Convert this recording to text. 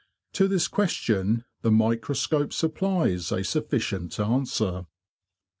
To this question the micro scope supplies a sufficient answer.